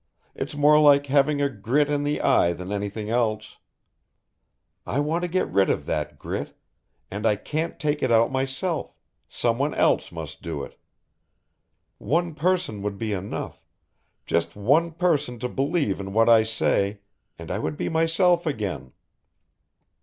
It's more like having a grit in the eye than anything else. I want to get rid of that grit, and I can't take it out myself, someone else must do it. One person would be enough, just one person to believe in what I say and I would be myself again.